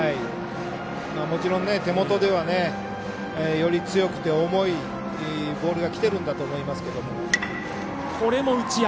もちろん手元では、より強くて重いボールがきてるんだと思いますけど。